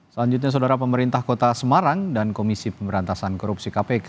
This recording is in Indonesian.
selanjutnya saudara pemerintah kota semarang dan komisi pemberantasan korupsi kpk